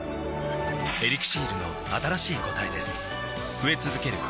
「エリクシール」の新しい答えです